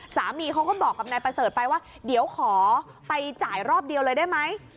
สามีเขาก็บอกกับนายประเสริฐไปว่าเดี๋ยวขอไปจ่ายรอบเดียวเลยได้ไหม